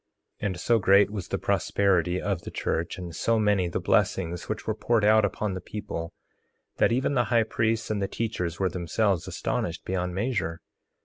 3:25 And so great was the prosperity of the church, and so many the blessings which were poured out upon the people, that even the high priests and the teachers were themselves astonished beyond measure.